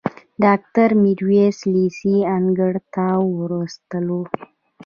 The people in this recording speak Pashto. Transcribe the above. ډاکټر میرویس لېسې انګړ ته وروستلو.